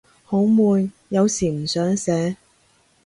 好悶，有時唔想寫